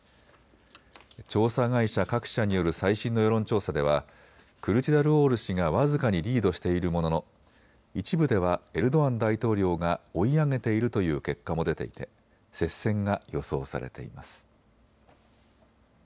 調査会社各社による最新の世論調査ではクルチダルオール氏が僅かにリードしているものの一部ではエルドアン大統領が追い上げているという結果も出ていて接戦が予想されています。